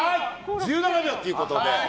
１７秒ということで。